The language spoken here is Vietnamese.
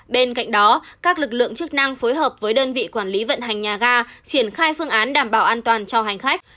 bên cạnh đó các lực lượng chức năng phối hợp với đơn vị quản lý vận hành nhà ga triển khai phương án đảm bảo an toàn cho hành khách